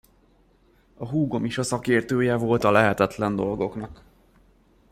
A húgom is a szakértője volt a lehetetlen dolgoknak.